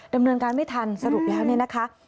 ดำเนินการไม่ทันสรุปแล้วเนี่ยนะคะ